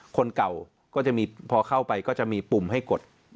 คนเก่าก็จะมีพอเข้าไปก็จะมีปุ่มให้กด